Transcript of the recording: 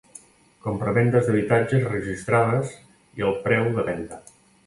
Compravendes d'habitatges registrades i el preu de venda.